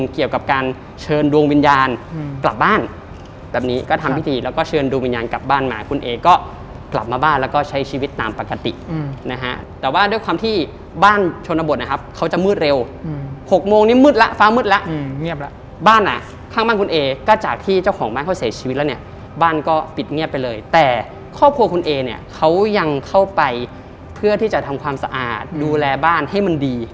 การเชิญดวงวิญญาณอืมกลับบ้านแบบนี้ก็ทำพิธีแล้วก็เชิญดวงวิญญาณกลับบ้านมาคุณเอ๋ก็กลับมาบ้านแล้วก็ใช้ชีวิตตามปกติอืมนะฮะแต่ว่าด้วยความที่บ้านชนบทนะครับเขาจะมืดเร็วอืมหกโมงนี้มืดแล้วฟ้ามืดแล้วอืมเงียบแล้วบ้านอ่ะข้างบ้านคุณเอ๋ก็จากที่เจ้าของบ้านเขาเสียชีวิตแล้ว